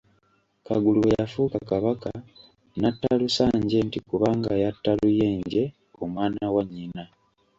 Kagulu bwe yafuuka Kabaka n'atta Musanje nti kubanga yatta Luyenje omwana wa nnyina.